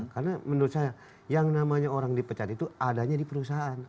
karena menurut saya yang namanya orang dipecat itu adanya di perusahaan